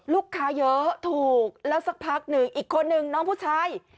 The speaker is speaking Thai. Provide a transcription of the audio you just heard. ลูกค้าเยอะถูกแล้วสักพักหนึ่งอีกคนนึงน้องผู้ชาย